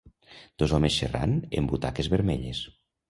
Dos homes xerrant en butaques vermelles.